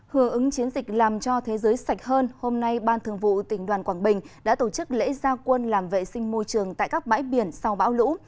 hứa ứng chiến dịch làm cho thế giới sạch hơn hôm nay ban thường vụ tỉnh đoàn quảng bình đã tổ chức lễ gia quân làm vệ sinh môi trường tại các bãi biển sau bão lũ